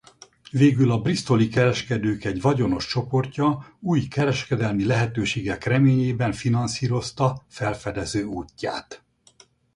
Végül a bristoli kereskedők egy vagyonos csoportja új kereskedelmi lehetőségek reményében finanszírozta felfedező útját.